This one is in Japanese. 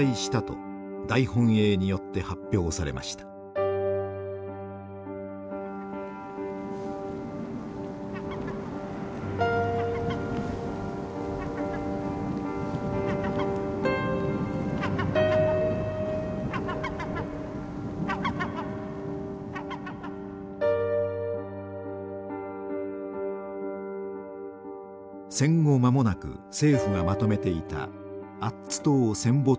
戦後間もなく政府がまとめていたアッツ島戦没者名簿です。